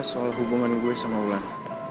tomo lagi udah ngerti einmal nih